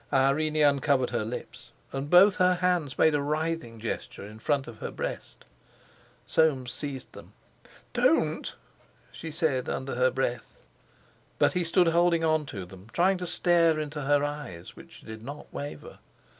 Irene uncovered her lips, and both her hands made a writhing gesture in front of her breast. Soames seized them. "Don't!" she said under her breath. But he stood holding on to them, trying to stare into her eyes which did not waver.